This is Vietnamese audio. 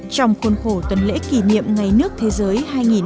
trong khuôn khổ tuần lễ kỷ niệm ngày nước thế giới hai nghìn một mươi tám